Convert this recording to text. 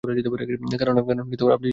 কারণ, আপনিই সৎ নন।